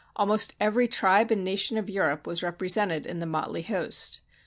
Almost every tribe and nation of Europe was represented in the motley host.